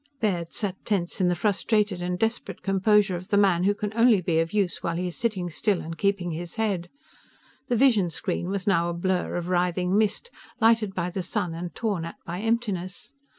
Baird sat tense in the frustrated and desperate composure of the man who can only be of use while he is sitting still and keeping his head. The vision screen was now a blur of writhing mist, lighted by the sun and torn at by emptiness.